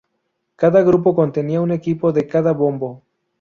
Cada grupo contenía un equipo de cada bombo.